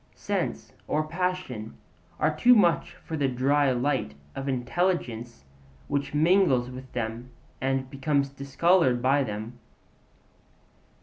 Sense or passion are too much for the 'dry light' of intelligence which mingles with them and becomes discoloured by them.